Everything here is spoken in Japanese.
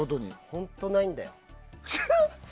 本当ないんだよ。